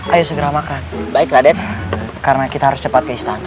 ayo segera makan baiklah den karena kita harus cepat ke istana